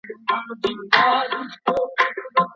نو ميرمن د بيلېدو وړانديز کولای سي.